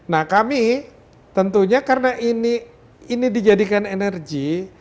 nah kami tentunya karena ini dijadikan energi